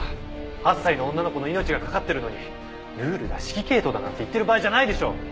８歳の女の子の命がかかってるのにルールだ指揮系統だなんて言ってる場合じゃないでしょ！